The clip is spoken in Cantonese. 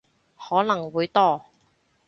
可能會多